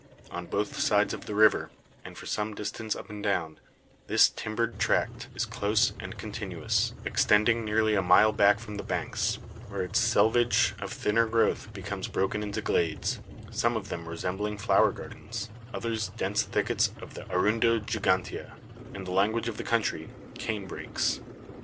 On both sides of the river, and for some distance up and down, this timbered tract is close and continuous, extending nearly a mile back from the banks; where its selvedge of thinner growth becomes broken into glades, some of them resembling flower gardens, others dense thickets of the arundo gigantea, in the language of the country, "cane brakes."